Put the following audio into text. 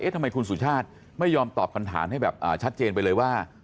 ทำไมคุณสุชาติไม่ยอมตอบคำถามให้แบบชัดเจนไปเลยว่า